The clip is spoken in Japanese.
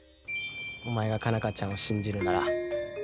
お前が佳奈花ちゃんを信じるなら俺も信じる。